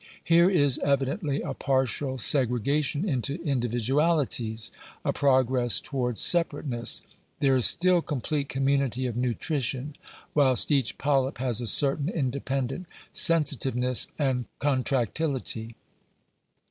Here is, evidently, a partial segregation into individualities — a progress towards separateness. There is still complete community of nu trition ; whilst each polyp has a certain independent sensitive ness and contractility.